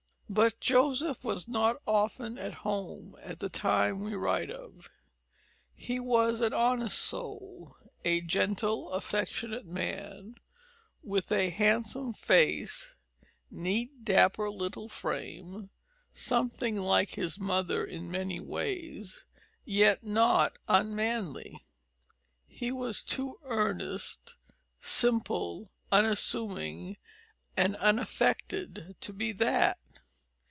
But Joseph was not often at home at the time we write of. He was an honest soul a gentle, affectionate man with a handsome face, neat dapper little frame, something like his mother in many ways, yet not unmanly. He was too earnest, simple, unassuming, and unaffected to be that.